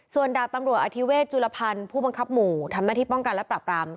ส่วนดาบตำรวจอธิเวศจุลพันธ์ผู้บังคับหมู่ทำหน้าที่ป้องกันและปรับราม